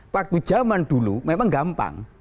waktu zaman dulu memang gampang